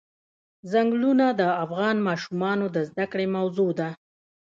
ځنګلونه د افغان ماشومانو د زده کړې موضوع ده.